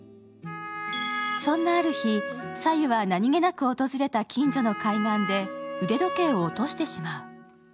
そんなある日、早柚は何気なく訪れた近所の海岸で腕時計を落としてしまう。